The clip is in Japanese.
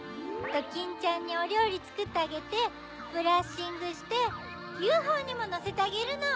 ドキンちゃんにおりょうりつくってあげてブラッシングしてＵＦＯにものせてあげるの！